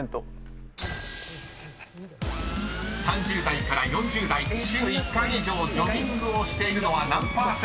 ［３０代から４０代週１回以上ジョギングをしているのは何％か？］